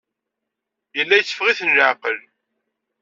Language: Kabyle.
Yella yetteffeɣ-iten leɛqel.